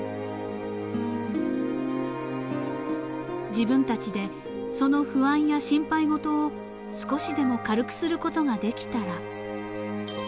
［自分たちでその不安や心配事を少しでも軽くすることができたら］